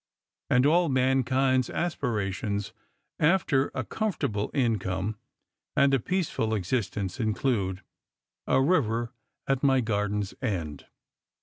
And all mankind's aspirations after a comfortable income and a peaceful existence include " A river at my garden's end."